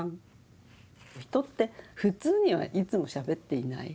人って普通にはいつもしゃべっていない。